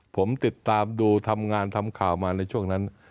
ผมติดตามดูทำงานทำข่าวมาในช่วงนั้น